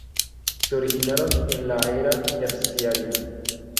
Se originaron en la Era Terciaria.